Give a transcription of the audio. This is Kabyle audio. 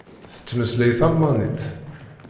Tettmeslay talmanit.